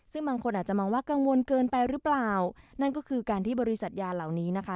ซึ่งบางคนอาจจะมองว่ากังวลเกินไปหรือเปล่านั่นก็คือการที่บริษัทยาเหล่านี้นะคะ